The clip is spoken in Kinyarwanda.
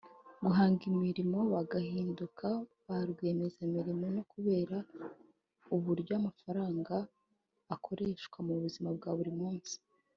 guhanga imirimo bagahinduka ba rwiyemezamirimo no kubereka uburyo amafaranga a akoreshwa mu buzima bwa buri munsi